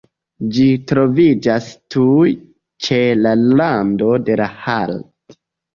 Ĝi troviĝas tuj ĉe la rando de la Haardt.